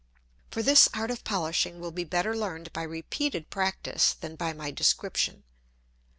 For this Art of polishing will be better learn'd by repeated Practice than by my Description.